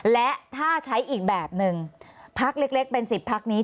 และถ้าใช้อีกแบบหนึ่งพักเล็กเป็น๑๐พักนี้